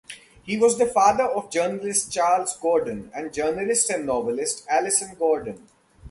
He was the father of journalist Charles Gordon and journalist and novelist Alison Gordon.